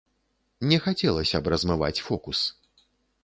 Не хацелася б размываць фокус.